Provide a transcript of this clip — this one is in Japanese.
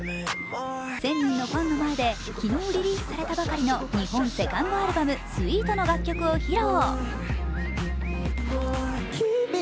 １０００人のファンの前で昨日リリースされたばかりの日本セカンドアルバム「ＳＷＥＥＴ」の楽曲を披露。